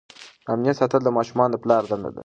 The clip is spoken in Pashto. د امنیت ساتل د ماشومانو د پلار دنده ده.